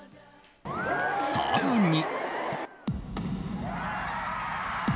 更に。